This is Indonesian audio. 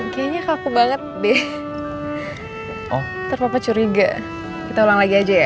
kita ulang lagi aja ya